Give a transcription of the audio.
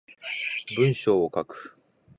文章を書く